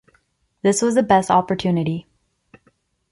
This was the best opportunity.